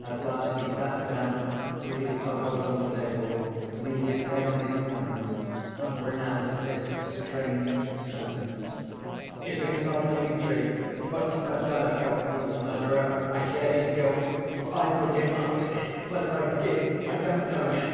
At last he sat down, put his elbows on the table, leaned his head on his hands and pronounced this strange sentence: "If it's not Dmitri, but Smerdyakov who's the murderer, I share his guilt, for I put him up to it. Whether I did, I don't know yet.